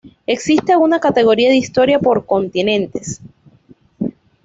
Existe una categoría de historia por continentes